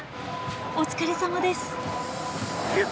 お疲れさまです。